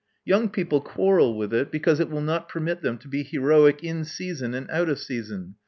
Young people quarrel with it because it will not permit them to be heroic in season and out of season.